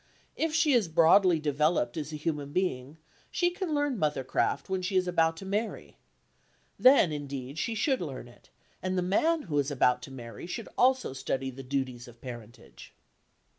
If she is broadly developed as a human being, she can learn mothercraft when she is about to marry. Then, indeed, she should learn it, and the man who is about to marry should also study the duties of parentage.